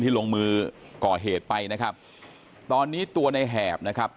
ทีมข่าวเราก็พยายามสอบปากคำในแหบนะครับ